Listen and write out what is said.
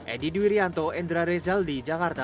edi diwiryanto indra rezaldi jakarta